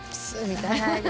「すっ」みたいな？